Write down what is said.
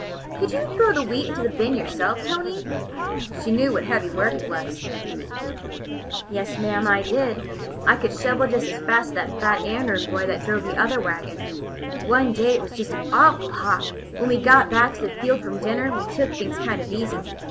"Could you throw the wheat into the bin yourself, Tony?" She knew what heavy work it was. "Yes, mam, I did. I could shovel just as fast as that fat Andern boy that drove the other wagon. One day it was just awful hot. When we got back to the field from dinner, we took things kind of easy.